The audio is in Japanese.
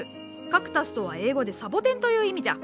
「カクタス」とは英語で「サボテン」という意味じゃ。